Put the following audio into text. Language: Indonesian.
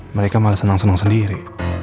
mereka malah senang senang sendiri